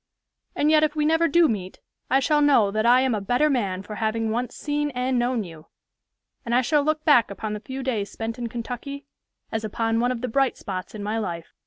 And yet if we never do meet, I shall know that I am a better man for having once seen and known you; and I shall look back upon the few days spent in Kentucky as upon one of the bright spots in my life."